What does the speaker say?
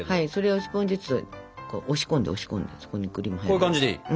こういう感じでいい？